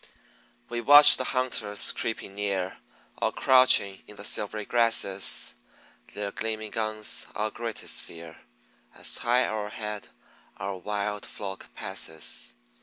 We watch the hunters creeping near Or crouching in the silvery grasses; Their gleaming guns our greatest fear, As high o'erhead our wild flock passes.